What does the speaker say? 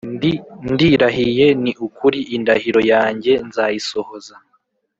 Ndirahiye ni ukuri indahiro yanjye nzayisohoza